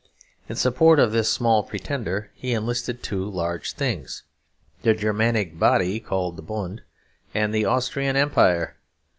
In support of this small pretender he enlisted two large things, the Germanic body called the Bund and the Austrian Empire.